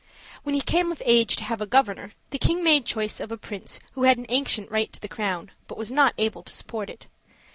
When he came of age to have a governor, the king made choice of a prince who had an ancient right to the crown, but was not able to support it.